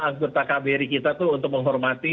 agurta kbri kita untuk menghormati